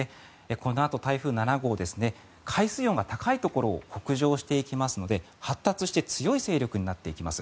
このあと台風７号海水温が高いところを北上していきますので発達して強い勢力になっていきます。